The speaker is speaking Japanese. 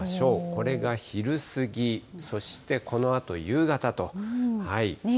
これが昼過ぎ、そしてこのあと夕方と。